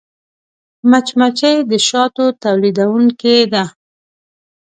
مچمچۍ د شاتو تولیدوونکې ده